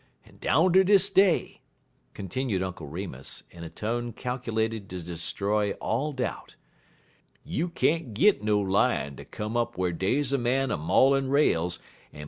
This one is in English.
En down ter dis day," continued Uncle Remus, in a tone calculated to destroy all doubt, "you can't git no Lion ter come up whar dey 's a Man a maulin' rails en put he paw in de split.